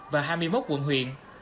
và hai mươi một quận huyện